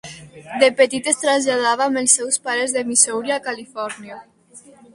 De petit es traslladava amb els seus pares de Missouri a Califòrnia.